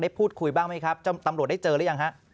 พูดคุยบ้างไหมครับตำรวจได้เจอหรือยังฮะ